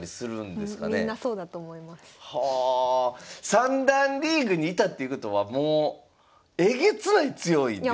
三段リーグにいたっていうことはもうえげつない強いです。